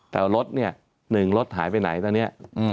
แต่รถเนี่ย๑รถหายไปไหนตอนนี้